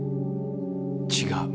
違う。